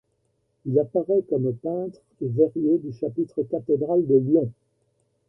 Il apparaît comme peintre et verrier du chapitre cathédral de Lyon.